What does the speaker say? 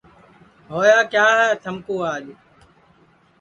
ہویا کیا ہے تھمکُو آج